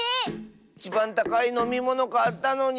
いちばんたかいのみものかったのに。